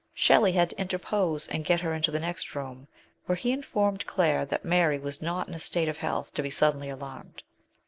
Shelley had to interpose and get her into the next room, where he informed Claire that Mary was not in a state of health to be suddenly alarmed.